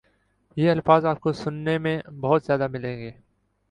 یہ الفاظ آپ کو سنے میں بہت زیادہ ملیں گے